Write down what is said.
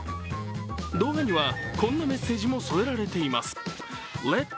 動画にはこんなメッセージも添えられています。